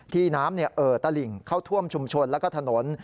น้ำเอ่อตลิ่งเข้าท่วมชุมชนแล้วก็ถนน